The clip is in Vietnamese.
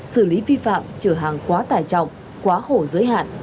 xử lý vi phạm chở hàng quá tải chọc quá khổ giới hạn